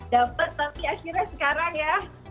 dapat tapi akhirnya sekarang ya